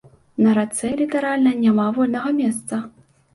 На рацэ літаральна няма вольнага месца.